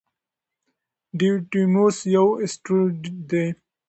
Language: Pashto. ډیډیموس یو اسټروېډ دی.